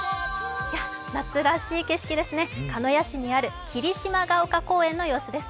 夏らしい景色ですね、鹿屋市にある霧島ヶ丘公園の様子です。